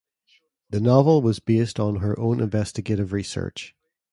The novel was based on her own investigative research.